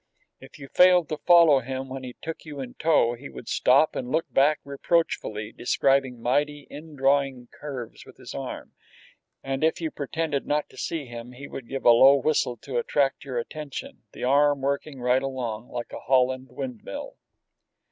If you failed to follow him when he took you in tow, he would stop and look back reproachfully, describing mighty indrawing curves with his arm; and if you pretended not to see him, he would give a low whistle to attract your attention, the arm working right along, like a Holland windmill.